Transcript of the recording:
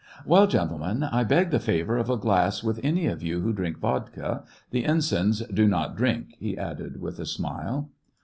" Well, gentlemen, I beg the favor of a glass with any of you who drink vodka. The ensigns do not drink," he added, with a smile.